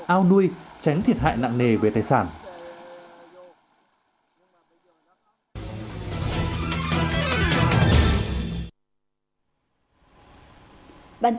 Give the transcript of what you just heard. ao nuôi tránh thiệt hại nặng nề về tài sản